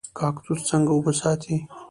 کاکتوس څنګه اوبه ساتي؟